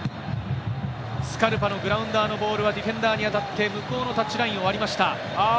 スカルパのグラウンダーのボールはディフェンダーに当たって向こうのタッチラインを割りました。